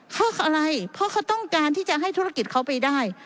เพราะอะไรเพราะเขาต้องการที่จะให้ธุรกิจเขาไปได้